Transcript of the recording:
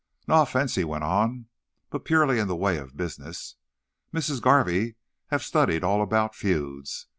"Na offense," he went on "but purely in the way of business. Missis Garvey hev studied all about feuds.